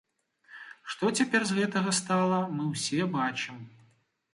Што цяпер з гэтага стала, мы ўсе бачым.